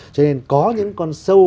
cho nên có những con sâu